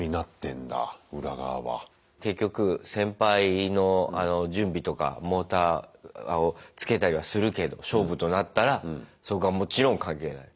結局先輩のあの準備とかモーターを付けたりはするけど勝負となったらそこはもちろん関係ない。